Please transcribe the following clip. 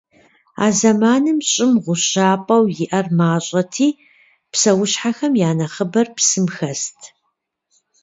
А зэманым Щӏым гъущапӏэу иӏэр мащӏэти, псэущхьэм я нэхъыбэр псым хэст.